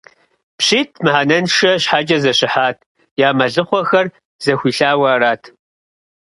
ПщитӀ мыхьэнэншэ щхьэкӀэ зэщыхьат: я мэлыхъуэхэр зэхуилъауэ арат.